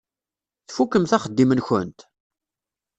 Tfukkemt axeddim-nkent?